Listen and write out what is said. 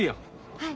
はい。